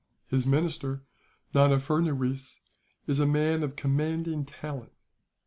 His minister, Nana Furnuwees, is a man of commanding talent.